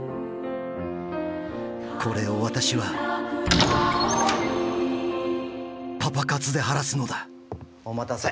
これを私はパパ活で晴らすのだお待たせ。